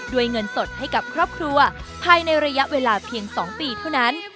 เงินสดให้กับครอบครัวภายในระยะเวลาเพียง๒ปีเท่านั้น